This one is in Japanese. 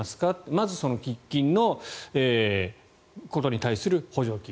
まずその喫緊のことに対する補助金。